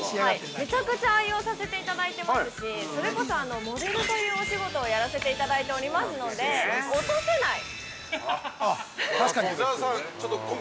◆めちゃくちゃ愛用させていただいていますしそれこそモデルというお仕事をやらせていただいておりますので、落とせない！